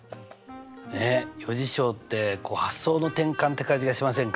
ねっ余事象ってこう発想の転換って感じがしませんか？